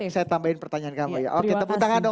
saya tambahin pertanyaan kamu ya oke tepuk tangan dong